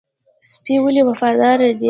سپی ولې وفادار دی؟